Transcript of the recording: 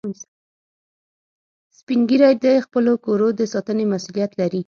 سپین ږیری د خپلو کورو د ساتنې مسؤولیت لري